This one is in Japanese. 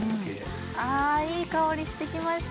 あいい香りしてきました。